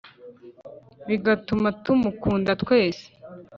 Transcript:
bigatuma tumukunda twese